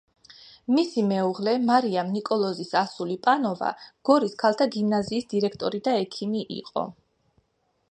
მისი მეუღლე, მარიამ ნიკოლოზის ასული პანოვა, გორის ქალთა გიმნაზიის დირექტორი და ექიმი იყო.